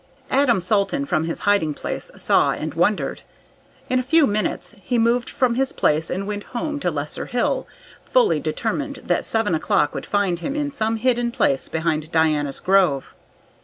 Adam Salton, from his hiding place, saw and wondered. In a few minutes he moved from his place and went home to Lesser Hill, fully determined that seven o'clock would find him in some hidden place behind Diana's Grove.